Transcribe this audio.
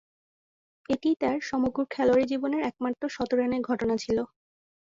এটিই তার সমগ্র খেলোয়াড়ী জীবনের একমাত্র শতরানের ঘটনা ছিল।